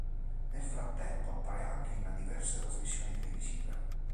Nel frattempo appare anche in diverse trasmissioni televisive.